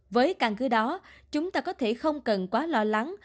với căn cứ đó chúng ta có thể không cần quá lo lắng